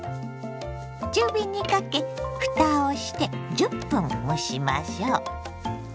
中火にかけふたをして１０分蒸しましょ。